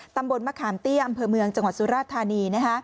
ตำบลมะขามเตี้ยอำเภอเมืองจังหวัดสุราธานี